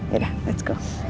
yaudah let's go